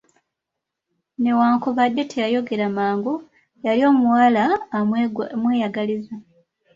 Newankubadde teyayogera mangu, yali omuwala amweyagaliza.